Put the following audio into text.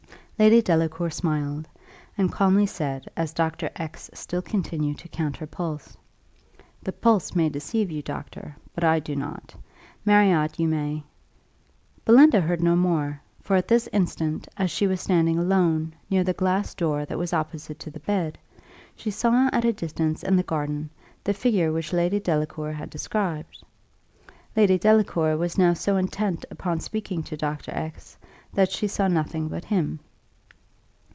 Lady Delacour smiled, and calmly said, as Doctor X still continued to count her pulse, "The pulse may deceive you, doctor, but I do not. Marriott, you may " Belinda heard no more; for at this instant, as she was standing alone, near the glass door that was opposite to the bed, she saw at a distance in the garden the figure which Lady Delacour had described. Lady Delacour was now so intent upon speaking to Dr. X , that she saw nothing but him.